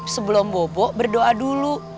sebelum bobo berdoa dulu